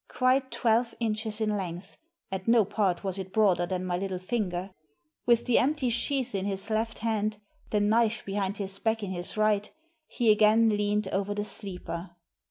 Quite twelve inches in length, at no part was it broader than my little finger. With the empty sheath in his left hand, the knife behind his back . in his right, he again leaned over the sleeper.